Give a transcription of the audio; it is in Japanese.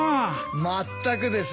まったくです。